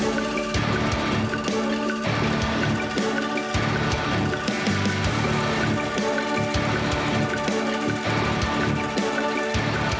berhenti menyebabkan sela fi yang kita tulis